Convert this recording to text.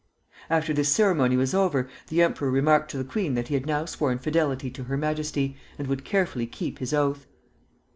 After this ceremony was over, the emperor remarked to the queen that he had now sworn fidelity to her Majesty, and would carefully keep his oath.